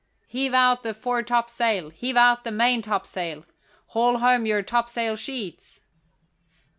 "Heave out the foretopsail heave out the main topsail haul home your topsail sheets!"